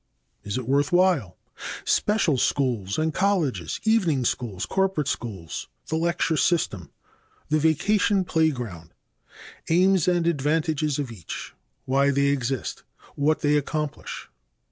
Is it worth while? Special schools and colleges: Evening schools, corporate schools. The lecture system. The vacation playground. Aims and advantages of each. Why they exist. What they accomplish.